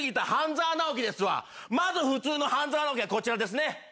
まず普通の半沢直樹はこちらですね。